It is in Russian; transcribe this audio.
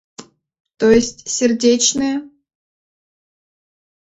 То есть, сердечные?